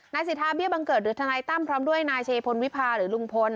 สิทธาเบี้ยบังเกิดหรือทนายตั้มพร้อมด้วยนายเชพลวิพาหรือลุงพล